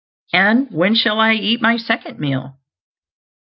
And when shall I eat my second meal?